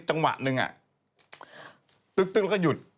จังหวะหนึ่งตึ๊กแล้วก็หยุด